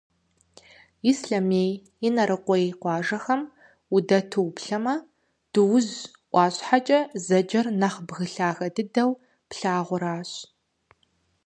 Ислъэмей, Инарыкъуей къуажэхэм удэту уплъэмэ, Дуужь ӏуащхьэкӏэ зэджэр нэхъ бгы лъагэ дыдэу плъагъуращ.